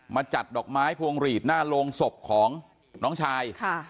จัดดอกไม้พวงหลีดหน้าโรงศพของน้องชาย